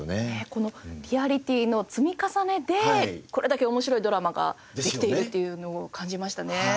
このリアリティーの積み重ねでこれだけ面白いドラマができているっていうのを感じましたね。